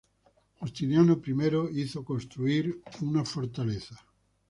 Justiniano I hizo construir una fortaleza.